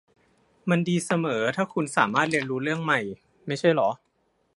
มันดีเสมอถ้าคุณสามารถเรียนรู้เรื่องใหม่ ไม่ใช่หรอ